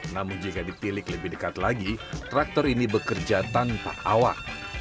namun jika ditilik lebih dekat lagi traktor ini bekerja tanpa awak